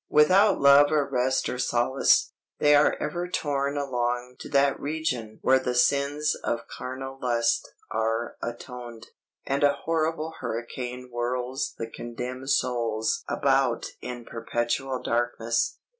Without love or rest or solace, they are ever torn along to that region where the sins of carnal lust are atoned, and a horrible hurricane whirls the condemned souls about in perpetual darkness.